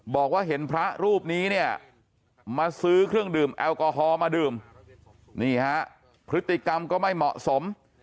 บอกว่าเห็นพระรูปนี้เนี่ยมาซื้อเครื่องดื่มแอลกอฮอล์มาดื่มนี่ฮะพฤติกรรมก็ไม่เหมาะสม